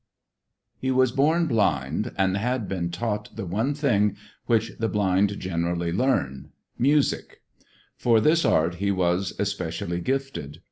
He was born blind, and had been taught the one thing which the blind generally learn, music; for this art he was specially gifted.